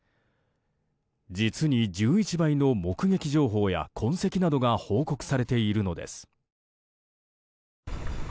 実に１１倍の目撃情報や痕跡などが報告されているのです。